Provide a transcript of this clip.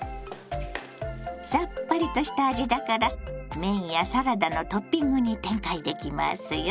さっぱりとした味だから麺やサラダのトッピングに展開できますよ。